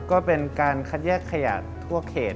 ก็เป็นการคัดแยกขยะทั่วเขต